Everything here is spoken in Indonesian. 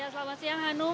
selama siang hanum